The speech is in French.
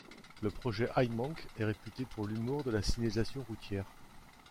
Le projet Himank est réputé pour l'humour de la signalisation routière.